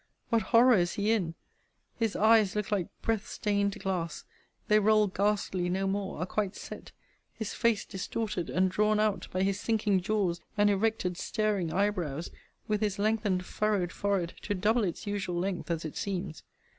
What horror is he in! His eyes look like breath stained glass! They roll ghastly no more; are quite set; his face distorted, and drawn out, by his sinking jaws, and erected staring eyebrows, with his lengthened furrowed forehead, to double its usual length, as it seems.